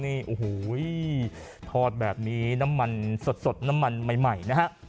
นี่โอ้โหทอดแบบนี้น้ำมันสดน้ำมันใหม่นะฮะ